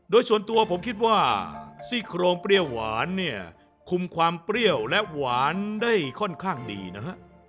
โดยส่วนตัวผมคิดว่าซี่โครงเปรี้ยวหวานเนี่ยคุมความเปรี้ยวและหวานได้ค่อนข้างดีนะฮะ